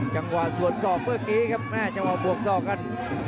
จังหวะสวนศอกเมื่อกี้ครับแม่จังหวะบวกศอกกัน